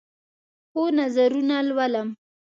هو، نظرونه لولم